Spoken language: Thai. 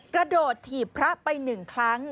กระโดดถีบพระไป๑ครั้ง